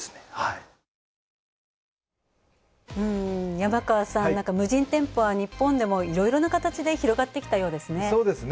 山川さん、無人店舗は日本でもいろいろな形で広がってきたようですね。